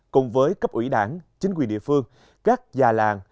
cùng với cấp ủy đảng chính quyền địa phương các già làng